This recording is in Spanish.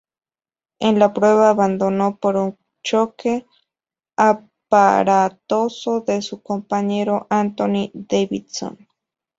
En la prueba abandonó por un choque aparatoso de su compañero Anthony Davidson.